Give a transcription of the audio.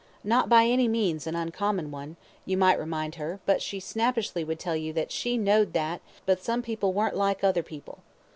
Not by any means an uncommon one, you might remind her; but she snappishly would tell you that "she knowd that, but some people weren't like other people."